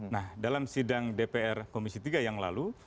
nah dalam sidang dpr komisi tiga yang lalu